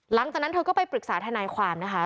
หลังจากนั้นเธอก็ไปปรึกษาทนายความนะคะ